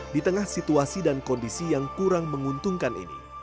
di tengah situasi dan kondisi yang kurang menguntungkan ini